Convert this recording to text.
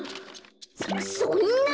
そんな！